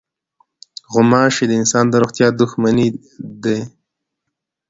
غوماشې د انسان د روغتیا دښمنې دي.